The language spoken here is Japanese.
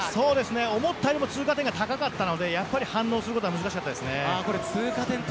思ったよりも通過点が高かったので反応することは難しかったですね。